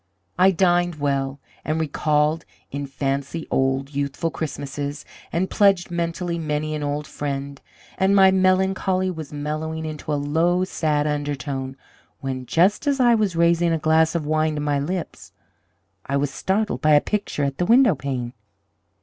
"I dined well, and recalled in fancy old, youthful Christmases, and pledged mentally many an old friend, and my melancholy was mellowing into a low, sad undertone, when, just as I was raising a glass of wine to my lips, I was startled by a picture at the windowpane.